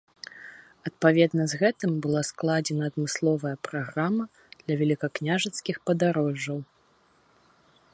Адпаведна з гэтым была складзена адмысловая праграма для вялікакняжацкіх падарожжаў.